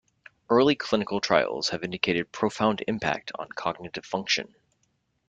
Early clinical trials have indicated profound impact on cognitive function.